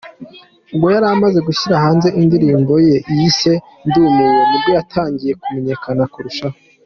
Ubwo yari amaze gushyira hanze indirimbo yise ’Ndumiwe’ nibwo yatangiye kumenyekana kurushaho.